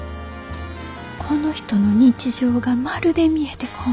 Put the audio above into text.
この人の日常がまるで見えてこん。